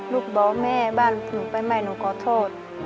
ลูกบอกแม่บ้านหนูไปไหม้หนูขอโทษ